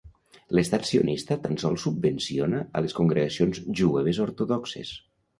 L'estat sionista tan sols subvenciona a les congregacions jueves ortodoxes.